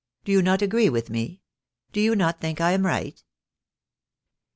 Do you not agree with me ? Do you not think I am right